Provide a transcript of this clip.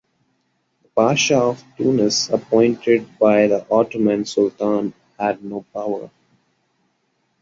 The Pasha of Tunis appointed by the Ottoman Sultan had no power.